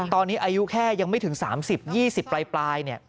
ตอนนี้อายุแค่ยังไม่ถึง๓๐๒๐ปลาย